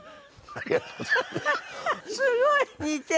ありがとうございます。